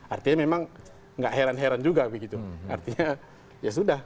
artinya memang nggak heran heran juga begitu artinya ya sudah